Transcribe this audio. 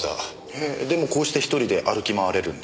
へぇでもこうして１人で歩き回れるんだ。